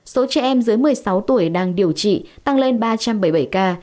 số trẻ em dưới một mươi sáu tuổi đang điều trị tăng lên ba trăm bảy mươi bảy ca